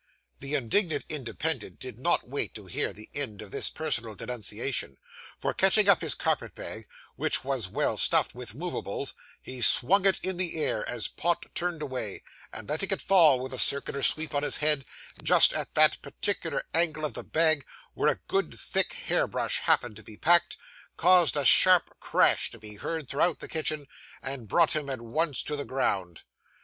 The indignant Independent did not wait to hear the end of this personal denunciation; for, catching up his carpet bag, which was well stuffed with movables, he swung it in the air as Pott turned away, and, letting it fall with a circular sweep on his head, just at that particular angle of the bag where a good thick hairbrush happened to be packed, caused a sharp crash to be heard throughout the kitchen, and brought him at once to the ground.